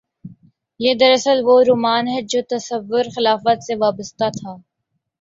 یہ دراصل وہ رومان ہے جو تصور خلافت سے وابستہ تھا۔